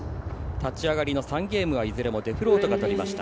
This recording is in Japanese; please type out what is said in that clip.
立ち上がりの３ゲームはいずれもデフロートが取りました。